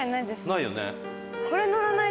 ないよね。